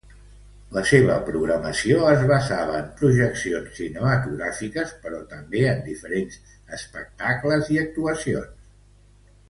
La seva programació es basava en projeccions cinematogràfiques però també en diferents espectacles i actuacions.